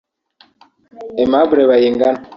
Aimable Bayingana